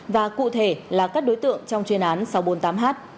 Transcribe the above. và cụ thể là các đối tượng trong chuyên án sáu trăm bốn mươi tám h